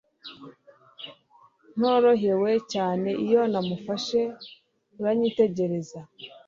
Ntorohewe cyane iyo namufashe aranyitegereza. (drjuly)